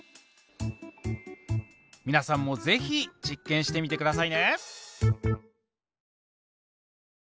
皆さんもぜひ実験してみてくださいね。